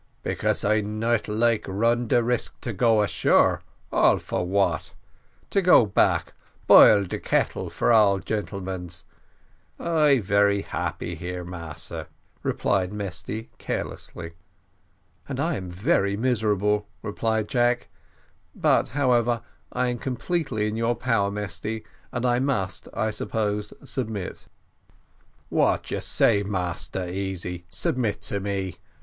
"Because I not like run de risk to go ashore all for what? to go back, boil de kettle for all gentlemans I very happy here, Massa," replied Mesty carelessly. "And I am very miserable," replied Jack; "but, however, I am completely in your power, Mesty, and I must, I suppose, submit." "What you say, Massa Easy submit to me?